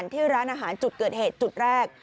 ที่ร้านอาหารจุดเกิดเหตุจุดแรก